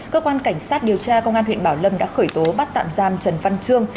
cơ quan cảnh sát điều tra công an huyện bảo lâm đã khởi tố bắt tạm giam trần văn trương